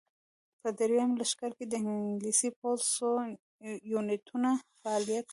په درېیم لښکر کې د انګلیسي پوځ څو یونیټونو فعالیت کاوه.